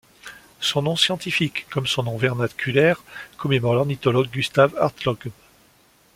Son nom scientifique comme son nom vernaculaire commémore l'ornithologue Gustav Hartlaub.